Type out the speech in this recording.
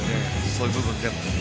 そういう部分でも。